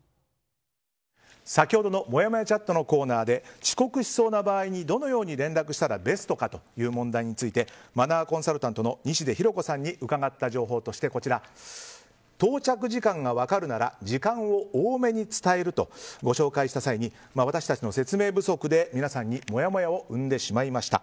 先ほどのもやもやチャットのコーナーで遅刻しそうな場合にどのように連絡したらベストかという問題についてマナーコンサルタントの西出ひろ子さんに伺った情報として到着時間が分かるなら時間を多めに伝えるとご紹介した際に私たちの説明不足で皆さんにもやもやを生んでしまいました。